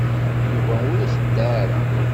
Yuba ur aɣ-ixeddeɛ ara.